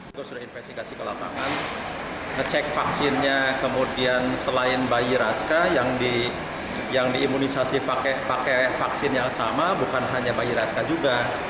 kita sudah investigasi ke lapangan ngecek vaksinnya kemudian selain bayi raska yang diimunisasi pakai vaksin yang sama bukan hanya bayi raska juga